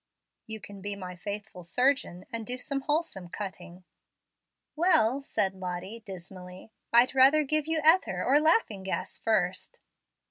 "You can be my faithful surgeon and do some wholesome cutting." "Well," said Lottie, dismally. "I'd rather give you ether or laughing gas first."